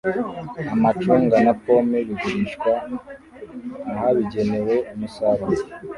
Amacunga na pome bigurishwa ahabigenewe umusaruro